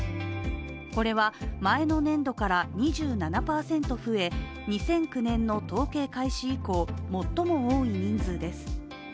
これは前の年度から２７％増え２００９年の統計開始以降最も多い人数です。